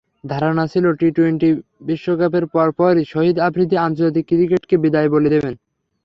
ধারণা ছিল, টি-টোয়েন্টি বিশ্বকাপের পরপরই শহীদ আফ্রিদি আন্তর্জাতিক ক্রিকেটকে বিদায় বলে দেবেন।